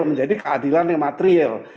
menjadi keadilan yang material